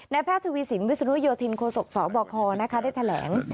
แพทย์ทวีสินวิศนุโยธินโคศกสบคได้แถลง